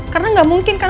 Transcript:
karena enggak mungkin kan